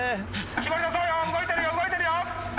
絞り出そうよ動いてるよ動いてるよ。